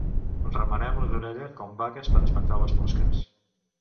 Remenem les orelles com vaques per espantar les mosques.